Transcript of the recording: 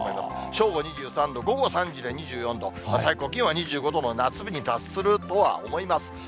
正午２３度、午後３時で２４度、最高気温は２５度の夏日に達するとは思います。